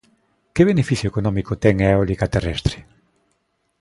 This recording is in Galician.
¿Que beneficio económico ten a eólica terrestre?